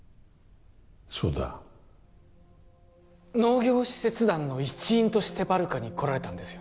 そうだ農業使節団の一員としてバルカに来られたんですよね？